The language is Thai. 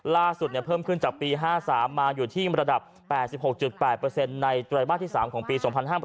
ล่าสุดเนี่ยเพิ่มขึ้นจากปี๕๓มาอยู่ที่ระดับ๘๖๘เปอร์เซ็นต์ในรายบ้านที่๓ของปี๒๕๖๕